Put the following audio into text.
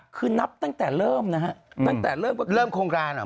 คือนับตั้งแต่เริ่มนะฮะตั้งแต่เริ่มเริ่มโครงการเหรอ